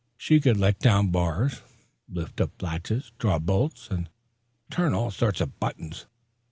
She could let down bars, lift up latches, draw bolts, and turn all sorts of buttons.